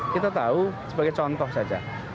kita tahu sebagai contoh saja